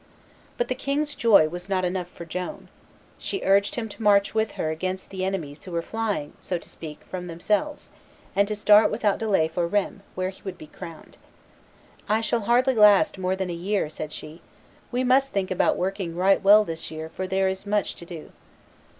But the king's joy was not enough for Joan. She urged him to march with her against enemies who were flying, so to speak, from themselves, and to start without delay for Rheims, where he would be crowned. "I shall hardly last more than a year," said she; "we must think about working right well this year, for there is much to do."